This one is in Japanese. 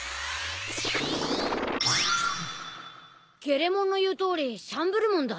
ゲレモンの言うとおりシャンブルモンだ。